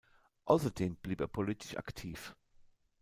Außerdem blieb er politisch aktiv.